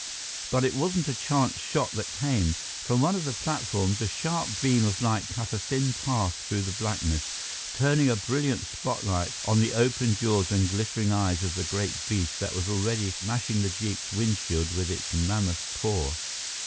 But it wasn't a chance shot that came. From one of the platforms, a sharp beam of light cut a thin path through the blackness, turning a brilliant spotlight on the open jaws and glittering eyes of the great beast that was already mashing the jeep's windshield with its mammoth paw.